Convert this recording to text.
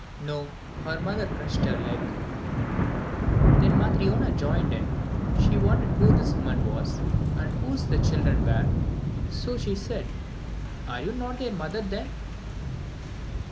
"No, her mother crushed her leg." Then Matryona joined in. She wondered who this woman was, and whose the children were, so she said: "Are not you their mother then?"